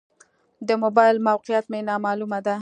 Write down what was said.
د موبایل موقعیت مې نا معلومه ده.